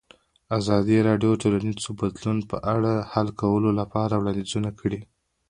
ازادي راډیو د ټولنیز بدلون په اړه د حل کولو لپاره وړاندیزونه کړي.